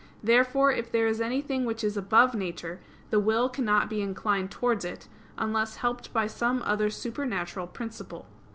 Therefore, if there is anything which is above nature, the will cannot be inclined towards it, unless helped by some other supernatural principle.